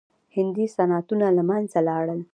هندي صنعتونه له منځه لاړل.